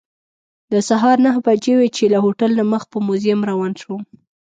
د سهار نهه بجې وې چې له هوټل نه مخ په موزیم روان شوم.